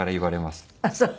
あっそう。